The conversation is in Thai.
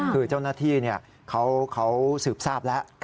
คือเจ้าหน้าที่เขาสืบทราบแล้ว